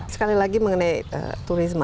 sekali lagi mengenai turisme